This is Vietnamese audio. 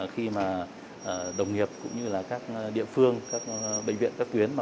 tình hình đang dịch bệnh